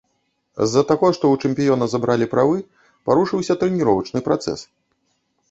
З-за таго, што ў чэмпіёна забралі правы, парушыўся трэніровачны працэс.